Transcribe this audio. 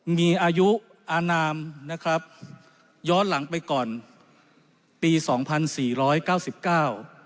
มีอายุอนามนะครับย้อนหลังไปก่อนปีสองพันสี่ร้อยเก้าสิบเก้า